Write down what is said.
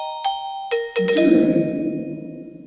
Nkemmel.